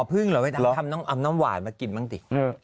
อ๋อพึ่งหรือเอาน้ำหวานมากินบ้างสิ